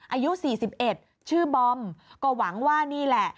อายุ๔๑ชื่อบอมก็หวังว่านี่แหละ